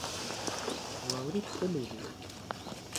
وروري خپله ده.